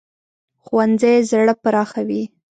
ښوونځی زړه پراخوي